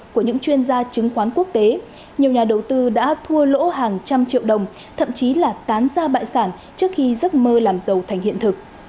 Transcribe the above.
của những chuyên gia chứng khoán quốc tế nhiều nhà đầu tư đã thua lỗ hàng trăm triệu đồng thậm chí là tán ra bại sản trước khi giấc mơ làm giàu thành hiện thực